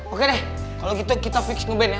oke deh kalau gitu kita fix nge band ya